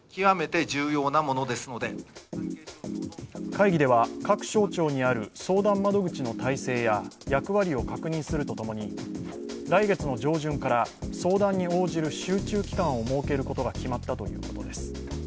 会議では、各省庁にある相談窓口の体制や役割を確認するとともに、来月の上旬から相談に応じる集中期間を設けることが決まったということです。